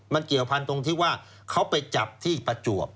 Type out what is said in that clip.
มันเกี่ยวพันธุ์ตรงที่ว่าเขาไปจับที่ประจวบ